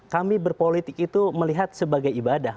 kami berpolitik itu melihat sebagai ibadah